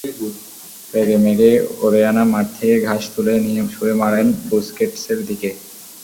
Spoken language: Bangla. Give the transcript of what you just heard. রেগেমেগে ওরেয়ানা মাঠ থেকে ঘাস তুলে নিয়ে ছুড়ে মারেন বুসকেটসের দিকে।